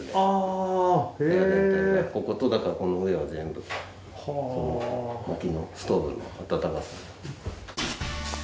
こことだからこの上は全部この薪のストーブの暖かさで。